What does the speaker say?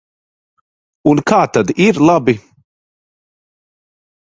Un kā tad ir labi?